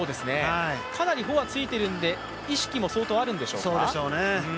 かなりフォア突いているんで、意識も相当あるんでしょうか。